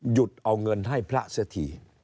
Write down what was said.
หยุดเอาเงินให้พระเสียที